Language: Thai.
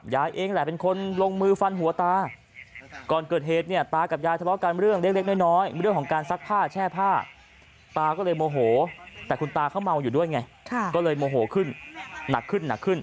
ยายเป็นคนลงมือแรงฟันหัวตา